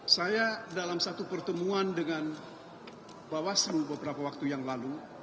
saya dalam satu pertemuan dengan bawaslu beberapa waktu yang lalu